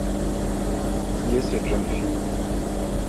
Qui est cette jeune fille ?